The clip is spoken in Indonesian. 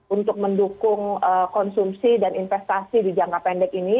untuk mendukung konsumsi dan investasi di jangka pendek ini